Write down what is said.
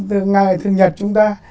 từ ngày thường nhật chúng ta